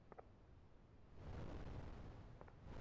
ঝামেলা হলে হোক।